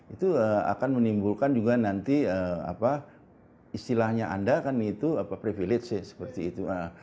itu akan menimbulkan juga nanti istilahnya anda kan itu privilege seperti itu